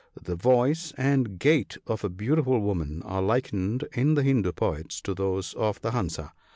The voice and gait of a beautiful woman are likened in the Hindoo poets to those of the " Hansa."